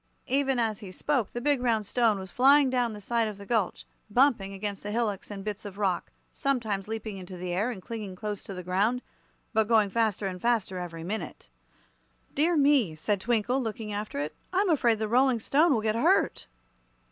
Even as he spoke the big round stone was flying down the side of the gulch, bumping against the hillocks and bits of rock sometimes leaping into the air and then clinging close to the ground, but going faster and faster every minute. "Dear me," said Twinkle, looking after it; "I'm afraid the Rolling Stone will get hurt."